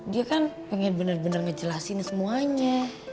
dia kan pengen bener bener ngejelasin semuanya